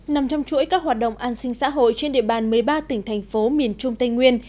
nằm trong chuỗi các hoạt động an sinh xã hội trên địa bàn một mươi ba tỉnh thành phố miền trung tây nguyên